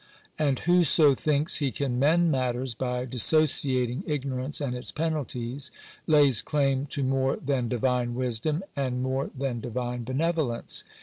And whoso thinks he can mend matters by dissociating ignorance and its penaltifb, lays claim to more than Divine wisdom, and more than Divine benevolence.